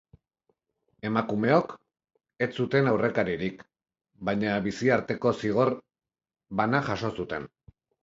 Emakumeok ez zuten aurrekaririk, baina biziarteko zigor bana jaso zuten.